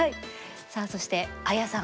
さあそして彩さん。